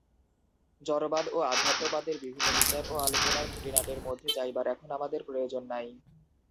জড়বাদ ও অধ্যাত্মবাদের বিভিন্ন বিচার ও আলোচনার খুঁটিনাটির মধ্যে যাইবার এখন আমাদের প্রয়োজন নাই।